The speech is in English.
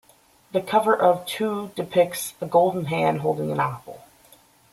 The cover of "Two" depicts a golden hand holding an apple.